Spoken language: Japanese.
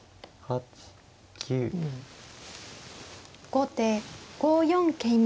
後手５四桂馬。